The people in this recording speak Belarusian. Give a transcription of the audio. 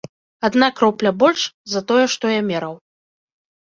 Адна кропля больш, за тое, што я мераў.